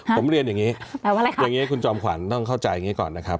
ผมเรียนอย่างนี้อย่างนี้คุณจอมขวัญต้องเข้าใจอย่างนี้ก่อนนะครับ